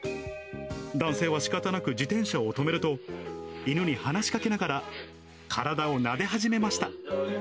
男性はしかたなく自転車を止めると、犬に話しかけながら体をなで始めました。